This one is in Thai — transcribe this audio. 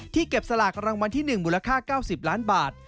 เก็บสลากรางวัลที่๑มูลค่า๙๐ล้านบาท